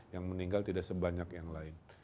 yang meninggal tidak sebanyak yang lain